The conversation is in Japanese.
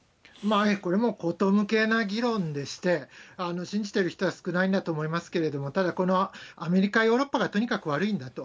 これも荒唐無けいな議論でして、信じてる人は少ないんだと思うんですけれども、ただ、このアメリカ、ヨーロッパがとにかく悪いんだと。